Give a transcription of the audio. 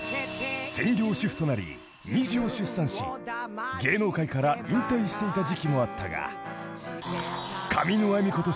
［専業主婦となり二児を出産し芸能界から引退していた時期もあったが］